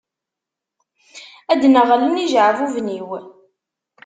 Ad d-neɣlen yijeɛbuben-iw.